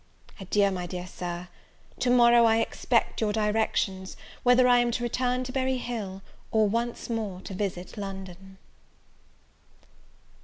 Adieu, my dear Sir: to morrow I expect your directions, whether I am to return to Berry Hill, or once more to visit London.